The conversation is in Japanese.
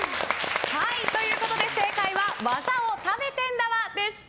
正解は技を食べてんだわでした。